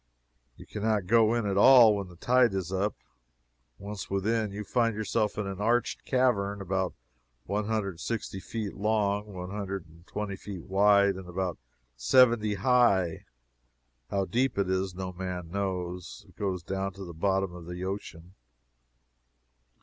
You can not go in at all when the tide is up. Once within, you find yourself in an arched cavern about one hundred and sixty feet long, one hundred and twenty wide, and about seventy high. How deep it is no man knows. It goes down to the bottom of the ocean.